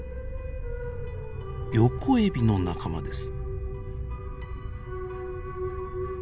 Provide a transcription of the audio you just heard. ヨコエビの仲間です。